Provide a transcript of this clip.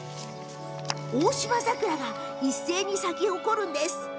オオシマザクラが一斉に咲き誇るんです。